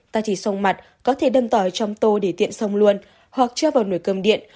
ta chỉ sông mặt có thể đâm tỏi trong tô để tiện sông luôn hoặc cho vào nồi cơm điện